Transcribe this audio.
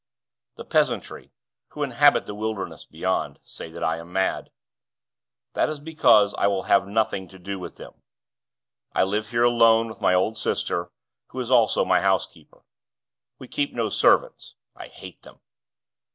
The peasantry, who inhabit the wilderness beyond, say that I am mad. That is because I will have nothing to do with them. I live here alone with my old sister, who is also my housekeeper. We keep no servants I hate them.